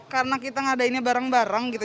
karena kita ngadainnya bareng bareng gitu